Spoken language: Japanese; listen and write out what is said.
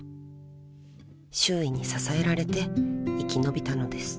［周囲に支えられて生き延びたのです］